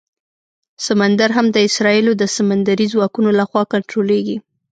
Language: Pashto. سمندر هم د اسرائیلو د سمندري ځواکونو لخوا کنټرولېږي.